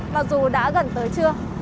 mặc dù đã gần tới trưa